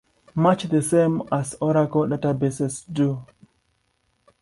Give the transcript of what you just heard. Much the same as Oracle Databases do.